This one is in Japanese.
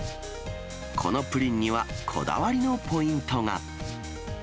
このプリンにはこだわりのポイントが。